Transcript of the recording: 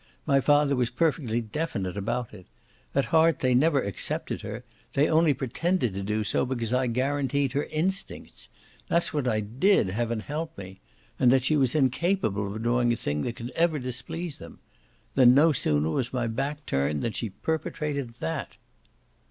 My father was perfectly definite about it. At heart they never accepted her; they only pretended to do so because I guaranteed her INSTINCTS that's what I did, heaven help me! and that she was incapable of doing a thing that could ever displease them. Then no sooner was my back turned than she perpetrated that!"